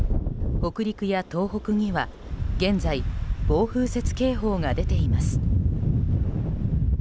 北陸や東北には現在、暴風雪警報が出ています。